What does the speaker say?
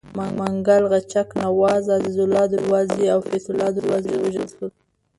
منګل غچک نواز، عزیزالله دروازي او فتح الله دروازي ووژل.